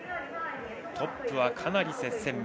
トップはかなり接戦。